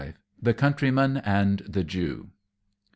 _The Countryman and the Jew.